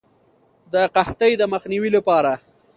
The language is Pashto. د قحطۍ د مخنیوي لپاره.